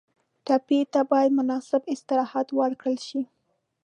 ټپي ته باید مناسب استراحت ورکړل شي.